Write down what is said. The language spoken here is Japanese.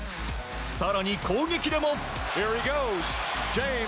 更に、攻撃でも。